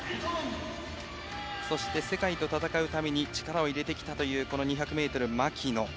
そして、世界と戦うために力を入れてきたという２００ｍ牧野。